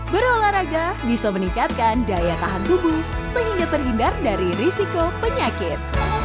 berolahraga bisa meningkatkan daya tahan tubuh sehingga terhindar dari risiko penyakit